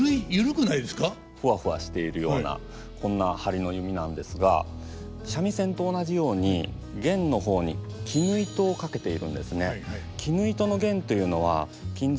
ふわふわしているようなこんな張りの弓なんですが三味線と同じように絃の方に絹糸を掛けているんですね。